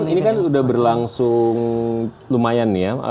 ini kan sudah berlangsung lumayan ya